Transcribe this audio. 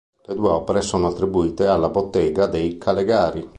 Le due opere sono attribuite alla bottega dei Calegari.